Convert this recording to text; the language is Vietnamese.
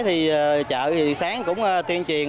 thì chợ sáng cũng tuyên truyền